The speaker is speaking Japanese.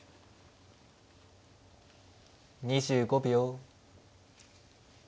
２５秒。